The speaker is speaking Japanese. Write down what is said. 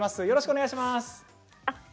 よろしくお願いします。